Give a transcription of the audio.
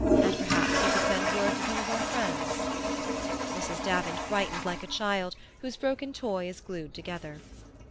And perhaps you could send word to some of our friends." Mrs. Davant brightened like a child whose broken toy is glued together.